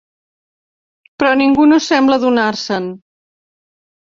Però ningú no sembla adonar-se'n.